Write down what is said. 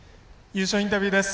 優勝インタビューです。